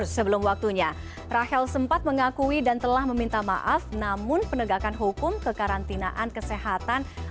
selamat malam salam sehat